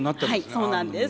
はいそうなんです。